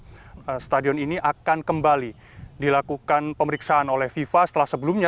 pada saat ini piala dunia u dua puluh akan kembali dilakukan pemeriksaan oleh fifa setelah sebelumnya